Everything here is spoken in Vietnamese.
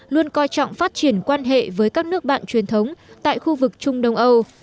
luôn coi trọng phát triển quan hệ với các nước bạn truyền thống tại khu vực trung đông âu